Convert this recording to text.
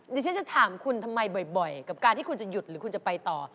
ดิฉันจะถามคุณทำไมบ่อยกับการที่คุณจะหยุดหรือคุณจะไปต่อ